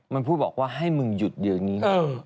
มันพูดบอกว่าให้มึงหยุดเดี๋ยวนี้